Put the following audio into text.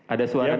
ada suaranya dari